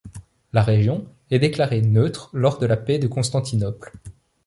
La région est déclarée neutre lors de la paix de Constantinople.